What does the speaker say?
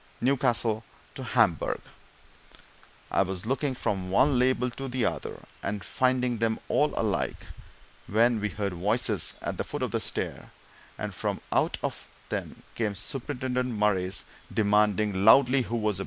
Newcastle to Hamburg_. I was looking from one label to the other and finding them all alike, when we heard voices at the foot of the stair, and from out of them came Superintendent Murray's, demanding loudly who was above.